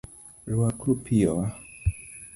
Rwakru piyo wa